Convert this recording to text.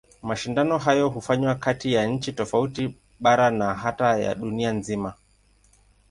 Mashindano hayo hufanywa kati ya nchi tofauti, bara na hata ya dunia nzima.